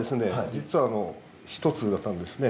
実は一つだったんですね。